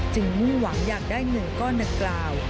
จึงมุ่งหวังอยากได้หนึ่งก้อนนักกล่าว